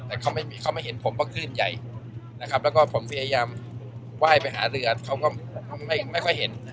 แต่เขาไม่เห็นผมเพราะคลื่นใหญ่นะครับแล้วก็ผมพยายามไหว้ไปหาเรือเขาก็ไม่ค่อยเห็น